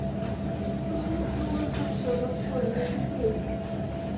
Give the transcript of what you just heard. Усміхнулася ўсё застолле людзей.